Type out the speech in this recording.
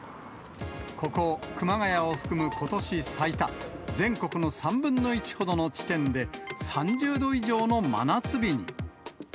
ここ、熊谷を含むことし最多、全国の３分の１ほどの地点で３０度以上の真夏日に。